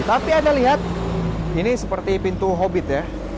tapi anda lihat ini seperti pintu hobit ya